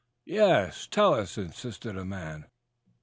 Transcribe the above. "Yes, tell us," insisted a man.